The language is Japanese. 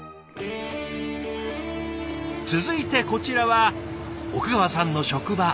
続いてこちらは奥川さんの職場。